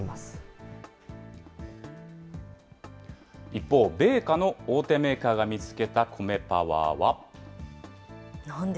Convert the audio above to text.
一方、米菓の大手メーカーが見つけたコメパワーは？